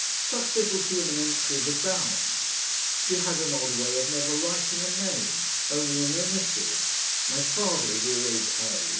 Such little human entries abound. She had an odd way of never writing a name, only an initial; my father is always "A.